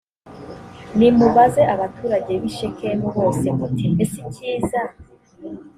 nimubaze abaturage b i shekemu bose muti mbese icyiza